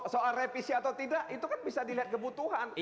soal revisi atau tidak itu kan bisa dilihat kebutuhan